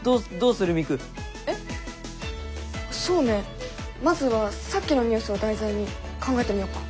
そうねまずはさっきのニュースを題材に考えてみよっか。